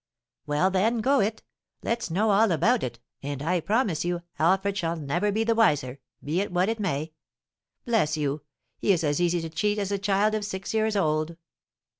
"Well, then, go it! Let's know all about it, and, I promise you, Alfred shall never be the wiser, be it what it may. Bless you! he is as easy to cheat as a child of six years old."